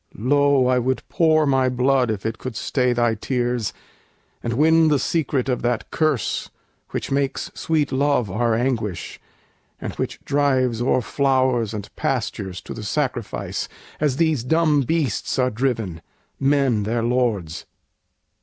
Lo! I would pour my blood if it could stay Thy tears, and win the secret of that curse Which makes sweet love our anguish, and which drives O'er flowers and pastures to the sacrifice As these dumb beasts are driven men their lords.